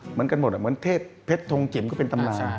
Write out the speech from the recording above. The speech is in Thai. เหมือนกันหมดเหมือนเทศเพชรทงจิ๋มก็เป็นตำรา